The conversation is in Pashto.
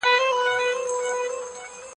بیا د هغه مین دخاوري بوۍ سي